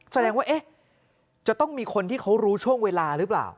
แสดงว่าจะต้องมีคนที่เขารู้ช่วงเวลาหรือเปล่า